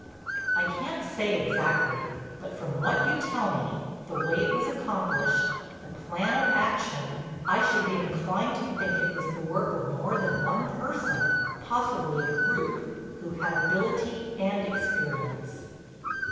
"I can't say exactly. But from what you tell me—the way it was accomplished, the plan of action—I should be inclined to think it was the work of more than one person—possibly a group—who had ability and experience."